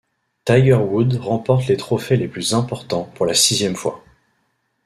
Tiger Woods remporte les trophées les plus importants pour la sixième fois.